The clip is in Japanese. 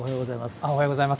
おはようございます。